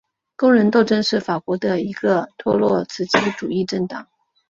工人斗争是法国的一个托洛茨基主义政党。